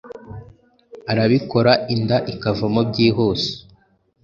arabikora inda ikavamo byihuse